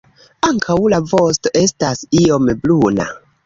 Ankaŭ la vosto estas iom bruna.